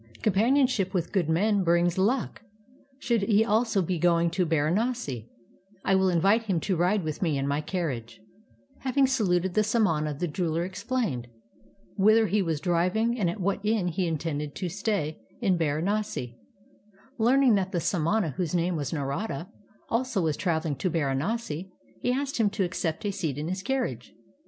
Companionship with good men brings luck; should he also be going to Baranasi, I will in\'ite him to ride with me in my carriage." Having saluted the samana the jeweler explained 1 Copyright (U.S.A.) by The Open Court Publishing Company. 43 INDIA whither he was driving and at what inn he intended to stay in Baranasi. Learning that the samana, whose name was Xarada, also was traveling to Baranasi, he asked him to accept a seat in his carriage.